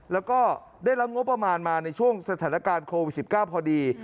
แล้วก็ได้รับงบประมาณมาในช่วงสถานการณ์โควิด๑๙พอดี